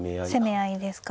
攻め合いですか。